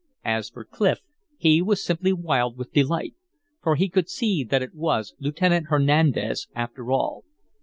As for Clif, he was simply wild with delight. For he could see that it was Lieutenant Hernandez after all.